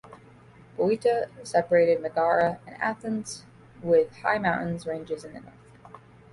Boeotia separated Megara and Athens with high mountains ranges in the north.